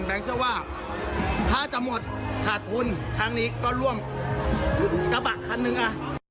แปลงเชื่อว่าถ้าจะหมดขาดคุณทางนี้ก็ร่วมจะบักคันหนึ่งอ่ะ